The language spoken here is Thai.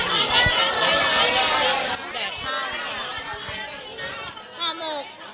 พี่บี้อยู่